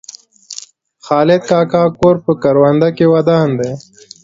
د خالد کاکا کور په کرونده کې ودان دی.